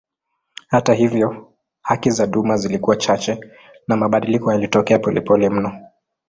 Hata hivyo haki za duma zilikuwa chache na mabadiliko yalitokea polepole mno.